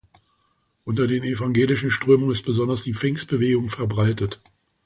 Unter den evangelischen Strömungen ist besonders die Pfingstbewegung verbreitet.